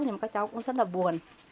nhưng mà các cháu cũng rất là buồn